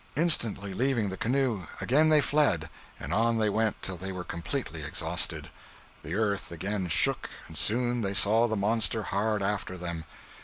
Instantly leaving the canoe, again they fled, and on they went till they were completely exhausted. The earth again shook, and soon they saw the monster hard after them.